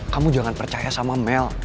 kamu jangan percaya sama mel